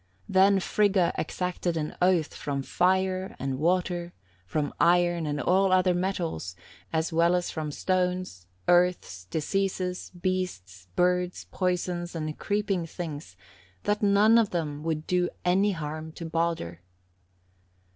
Then Frigga exacted an oath from fire and water, from iron, and all other metals, as well as from stones, earths, diseases, beasts, birds, poisons, and creeping things, that none of them would do any harm to Baldur.